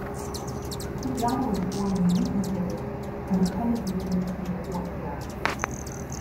Pityana was born in Uitenhage and attended the University of Fort Hare.